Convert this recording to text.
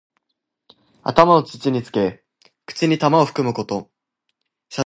頭を土につけ、口に玉をふくむこと。謝罪降伏するときの儀式のこと。